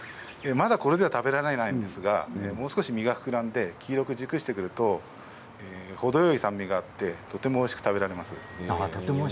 これでは食べられませんが実が膨らんで黄色く熟してくると程よい酸味があってとてもおいしく食べられます。